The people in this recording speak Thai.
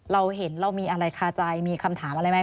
เราเห็นเรามีอะไรคาใจมีคำถามอะไรไหม